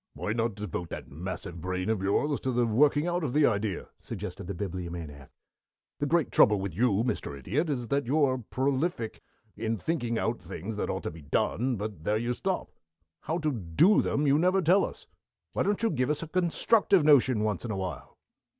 "Why not devote that massive brain of yours to the working out of the idea?" suggested the Bibliomaniac. "The great trouble with you, Mr. Idiot, is that you are prolific in thinking out things that ought to be done, but there you stop. How to do them you never tell us. Why don't you give us a constructive notion once in awhile?"